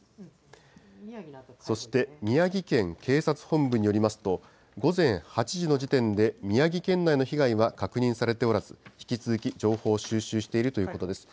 そして宮城県警察本部によりますと、午前８時の時点で、宮城県内の被害は確認されておらず、引き続き情報を収集しているということです。